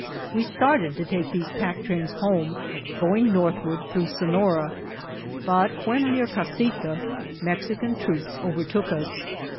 We started to take these pack trains home, going northward through So nora, but when near Casita, Mexican troops overtook us.